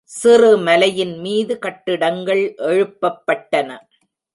சிறு மலையின்மீது கட்டிடங்கள் எழுப்பப்பட்டன.